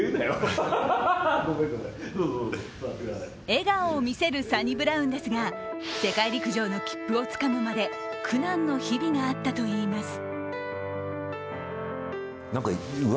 笑顔を見せるサニブラウンですが世界陸上の切符をつかむまで、苦難の日々があったといいます。